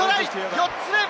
４つ目！